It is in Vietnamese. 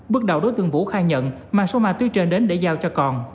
bước đầu đối tượng vũ khai nhận mà số ma túy trên đến để giao cho còn